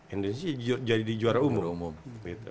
indonesia jadi juara umum